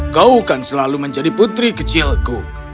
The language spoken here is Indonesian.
kau akan selalu menjadi putri kecilku